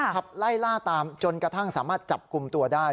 ขับไล่ล่าตามจนกระทั่งสามารถจับกลุ่มตัวได้